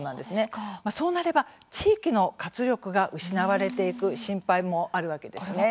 そうなれば地域の活力が失われていく心配もあるわけですね。